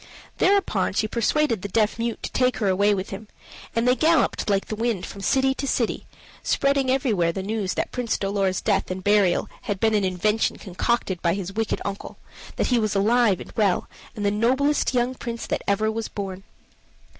Thereupon she persuaded the deaf mute to take her away with him, and they galloped like the wind from city to city, spreading everywhere the news that Prince Dolor's death and burial had been an invention concocted by his wicked uncle that he was alive and well, and the noblest young prince that ever was born.